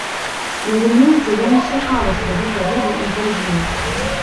Разумееце, я не чакала, што гэта будзе інтэрв'ю.